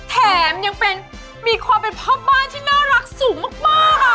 แถมยังเป็นมีความเป็นพ่อบ้านที่น่ารักสูงมากค่ะ